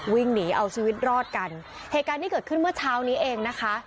วิ่งหนีเอาชีวิตรอดกันเหตุการณ์ที่เกิดขึ้นเมื่อเช้านี้เองนะคะ